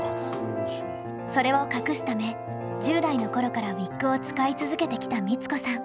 それを隠すため１０代の頃からウィッグを使い続けてきた光子さん。